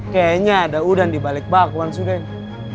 kayaknya ada udang dibalik bakwan sudah ya